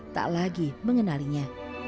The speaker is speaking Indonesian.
tak lagi mengenalinya